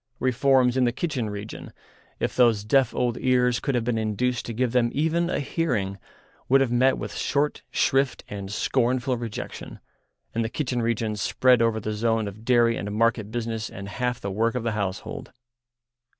Reforms in the kitchen region, if those deaf old ears could have been induced to give them even a hearing, would have met with short shrift and scornful rejection, and the kitchen region spread over the zone of dairy and market business and half the work of the household.